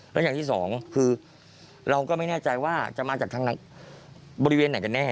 แล้วอย่างที่สองคือเราก็ไม่แน่ใจว่าจะมาจากทางบริเวณไหนกันแน่